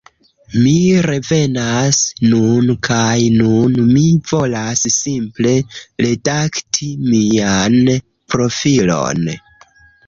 Mi revenas nun kaj nun mi volas simple redakti mian profilon